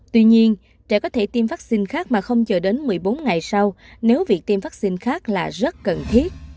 tuy nhiên trẻ có thể tiêm vaccine khác mà không chờ đến một mươi bốn ngày sau nếu việc tiêm vaccine khác là rất cần thiết